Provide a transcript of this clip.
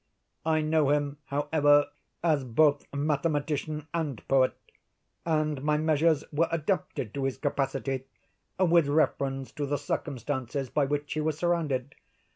I know him, however, as both mathematician and poet, and my measures were adapted to his capacity, with reference to the circumstances by which he was surrounded.